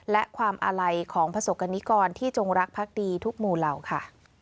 และความอาลัยของประสบกรณิกรที่จงรักพักดีทุกหมู่เหล่าค่ะ